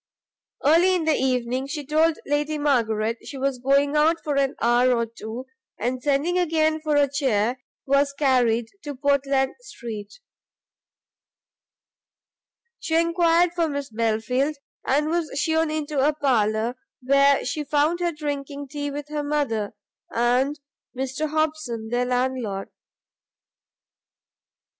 Early in the evening, she told Lady Margaret she was going out for an hour or two, and sending again for a chair, was carried to Portland street. She enquired for Miss Belfield, and was shewn into a parlour, where she found her drinking tea with her mother, and Mr Hobson, their landlord.